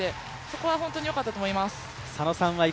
そこは本当に良かったと思います。